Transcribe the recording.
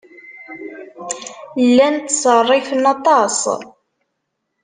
Llan ttṣerrifen aṭas.